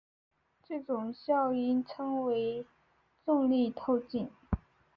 这种效应称为重力透镜。